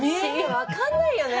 分かんないよね！